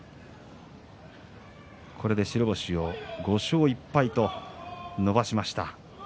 これで白星を５勝１敗と伸ばしました。